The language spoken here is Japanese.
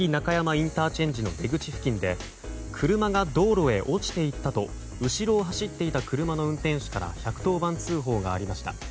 ＩＣの出口付近で車が道路へ落ちていったと後ろを走っていた車の運転手から１１０番通報がありました。